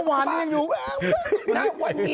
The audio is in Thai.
ทำงานเยอะเลยจะคิดมาก